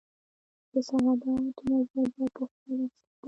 د سرحداتو نظریه پخوا ردېده.